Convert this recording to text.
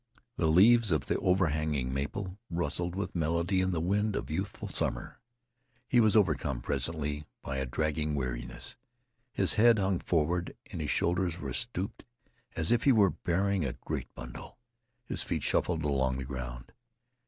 The leaves of the overhanging maple rustled with melody in the wind of youthful summer. He was overcome presently by a dragging weariness. His head hung forward and his shoulders were stooped as if he were bearing a great bundle. His feet shuffled along the ground.